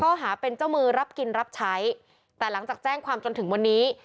หาเป็นเจ้ามือรับกินรับใช้แต่หลังจากแจ้งความจนถึงวันนี้